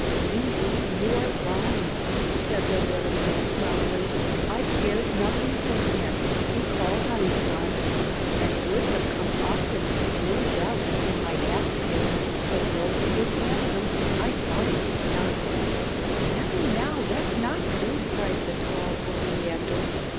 "Indeed, you are wrong," said the Lily belle proudly, "I cared nothing for him; he called on me once, And would have come often, no doubt, if I'd asked him, But though he was handsome, I thought him a dunce." "Now, now, that's not true," cried the tall Oleander.